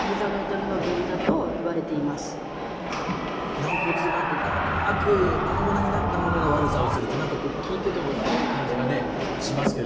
軟骨が細かく粉々になったものが悪さをするって何か聞いてても痛い感じがしますけれども。